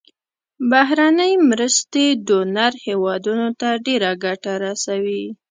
بهرنۍ مرستې ډونر هیوادونو ته ډیره ګټه رسوي.